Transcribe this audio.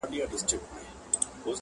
مضمون د شرافت دي په معنا لوستلی نه دی.